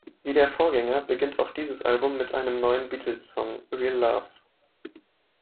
Wie der Vorgänger beginnt auch dieses Album mit einem neuen Beatles-Song: "Real Love".